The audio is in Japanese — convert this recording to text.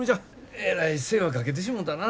えらい世話かけてしもたな。